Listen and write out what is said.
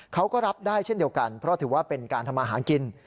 เขาก็รับได้เช่นเดียวกันเพราะถือว่าเป็นการทำมาหากิน